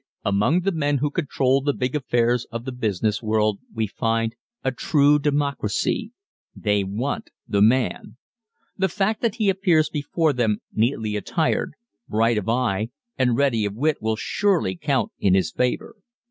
Among the men who control the big affairs of the business world we find a true democracy they want the man. The fact that he appears before them neatly attired, bright of eye and ready of wit will surely count in his favor.